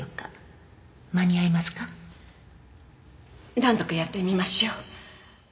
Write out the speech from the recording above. なんとかやってみましょう。